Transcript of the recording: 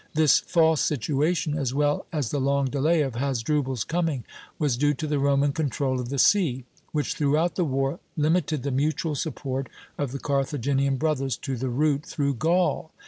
This false situation, as well as the long delay of Hasdrubal's coming, was due to the Roman control of the sea, which throughout the war limited the mutual support of the Carthaginian brothers to the route through Gaul.